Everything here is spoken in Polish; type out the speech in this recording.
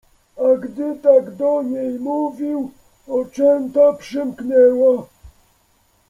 A gdy tak do niej mówił oczęta przymknęła